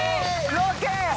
ロケ！